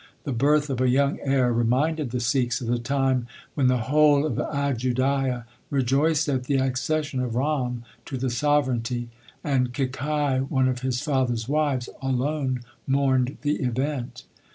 The birth of a young heir reminded the Sikhs of the time when the whole of Ajudhia rejoiced at the accession of Ram to the sovereignty, and Kekai, one of his father s wives, alone mourned the event.